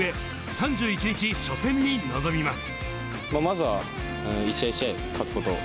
３１日、初戦に臨みます。